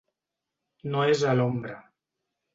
No és a l’ombra.